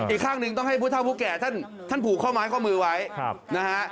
อีกข้างหนึ่งต้องให้ผู้เท่าผู้แก่ท่านผูกข้อไม้ข้อมือไว้นะฮะ